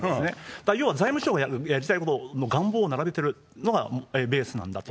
だから要は財務省がやりたいことの願望を並べてるのがベースなんだと。